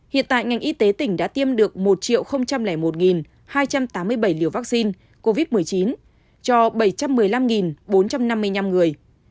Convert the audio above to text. hiện tại ngành y tế tỉnh đã tiêm được một một hai trăm tám mươi bảy liều vaccine covid một mươi chín cho bảy trăm một mươi năm bốn trăm năm mươi năm người